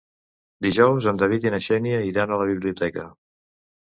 Dijous en David i na Xènia iran a la biblioteca.